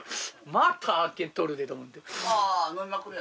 また開けとるでと思って。